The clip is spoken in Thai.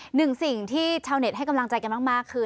หนึ่งสิ่งที่ชาวเน็ตให้กำลังใจกันมากคือ